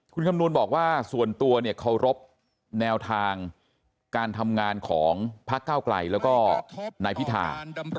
คุณคำนวณบอกว่าส่วนตัวเนี่ยเคารพแนวทางการทำงานของพักเก้าไกลแล้วก็นายพิธา